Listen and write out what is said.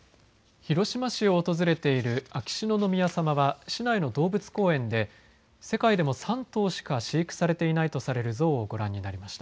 広島市を訪れている秋篠宮さまは市内の動物公園で世界でも３頭しか飼育されていないとされるゾウをご覧になりました。